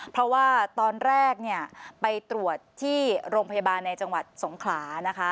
เพราะว่าตอนแรกเนี่ยไปตรวจที่โรงพยาบาลในจังหวัดสงขลานะคะ